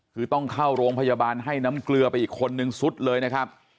คือต้องเข้าโรงพยาบาลให้น้ำเกลือไปอีกคนนึงสุดเลยนะครับ